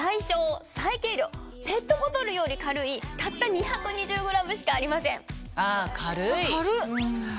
ペットボトルより軽いたった２２０ｇしかありません。